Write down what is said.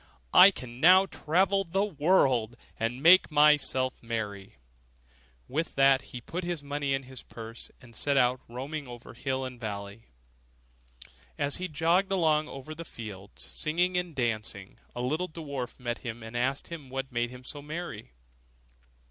I can now travel into the wide world, and make myself merry.' With that he put his money into his purse, and set out, roaming over hill and valley. As he jogged along over the fields, singing and dancing, a little dwarf met him, and asked him what made him so merry.